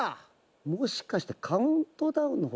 もしかしてカウントダウンの方？